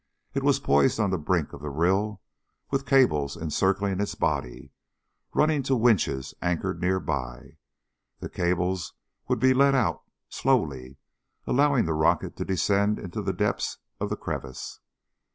It was poised on the brink of the rill with cables encircling its body, running to winches anchored nearby. The cables would be let out, slowly, allowing the rocket to descend into the depths of the crevice.